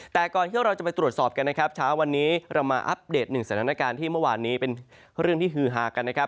แต่ก่อนที่เราจะไปตรวจสอบกันนะครับเช้าวันนี้เรามาอัปเดตหนึ่งสถานการณ์ที่เมื่อวานนี้เป็นเรื่องที่ฮือฮากันนะครับ